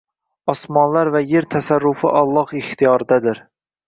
Osmonlar va yer tasarrufi Alloh ixtiyoridadir.